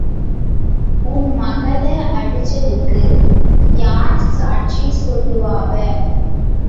உன் மகள அடிச்சதுக்கு யார் சாட்சி சொல்லுவாவ?